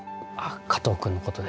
加藤君のことで。